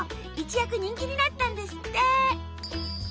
一躍人気になったんですって。